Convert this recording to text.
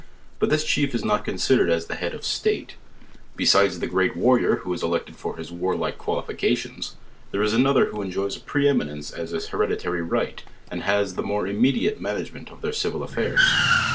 But this chief is not considered as the hoad of the state. Besides the great warrior who is elected for his warlike qualifications, there is another who enjoys a pre eminence as his h? r^dit iry right, and hns the more immediate management of their civil affni'S.